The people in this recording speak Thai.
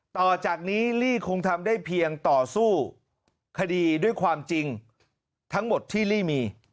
ต่อจากนี้ลี่คงทำได้เพียงต่อสู้คดีด้วยความจริงทั้งหมดที่ลี่มี